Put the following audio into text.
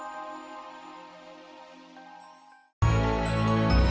woy disini balik mas disini mas